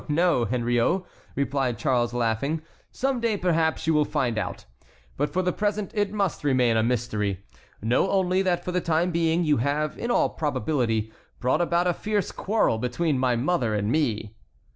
"No, no, Henriot," replied Charles, laughing, "some day, perhaps, you will find out; but for the present it must remain a mystery. Know only that for the time being you have in all probability brought about a fierce quarrel between my mother and me."